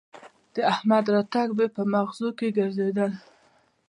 د احمد راتګ مې به مغزو کې ګرځېدل